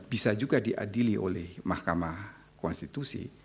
bisa juga diadili oleh mahkamah konstitusi